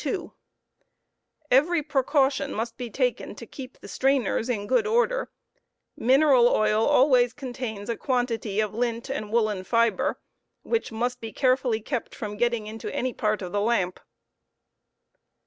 32, Every precaution must be taken to keep the strainers in good order* Mineral oil always contains a quantity of lint and woolen fiber, which must be carefully kept from getting into any part of the lamp.